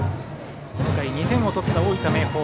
この回、２点を取った大分・明豊。